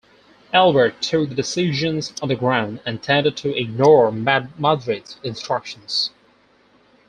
Albert took the decisions on the ground and tended to ignore Madrid's instructions.